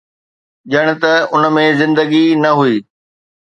ڄڻ ته ان ۾ زندگي ئي نه هئي.